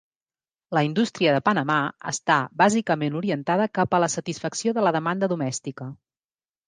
La indústria de Panamà està bàsicament orientada cap a la satisfacció de la demanda domèstica.